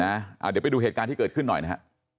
เดี๋ยวไปดูเหตุการณ์ที่เกิดขึ้นหน่อยนะฮะ